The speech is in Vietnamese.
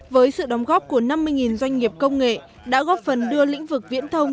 với sự đóng góp của năm mươi doanh nghiệp công nghệ đã góp phần đưa lĩnh vực viễn thông